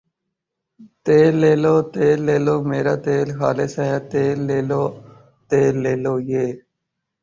تیل لے لو ، تیل لے لو میرا تیل خالص ھے تیل لے لو تیل لے لو یہ آ